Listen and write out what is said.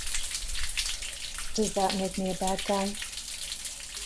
Does that make me a bad guy?